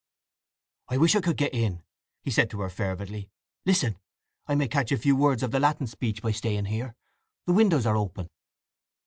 "I wish I could get in!" he said to her fervidly. "Listen—I may catch a few words of the Latin speech by staying here; the windows are open."